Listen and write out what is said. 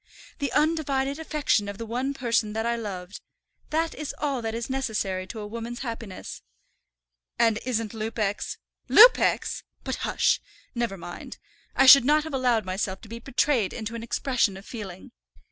"The undivided affection of the one person that I loved. That is all that is necessary to a woman's happiness." "And isn't Lupex " "Lupex! But, hush, never mind. I should not have allowed myself to be betrayed into an expression of feeling.